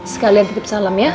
sekalian titip salam ya